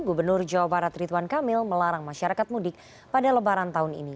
gubernur jawa barat ridwan kamil melarang masyarakat mudik pada lebaran tahun ini